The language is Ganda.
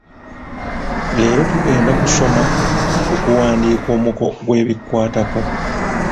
Leero tugenda kusoma ku kuwandiika omuko gw'ebikkwatako.